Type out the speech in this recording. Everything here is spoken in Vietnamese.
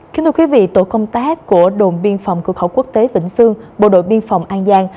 kính thưa quý vị tổ công tác của đồn biên phòng cửa khẩu quốc tế vĩnh sương bộ đội biên phòng an giang